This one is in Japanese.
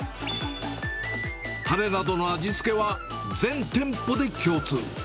たれなどの味付けは全店舗で共通。